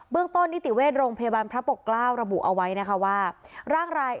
เบื้องต้นในติเวศโรงพยาบาลพระปกราวรบุเอาไว้